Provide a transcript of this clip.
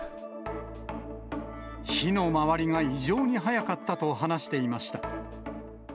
火の回りが異常に早かったと話していました。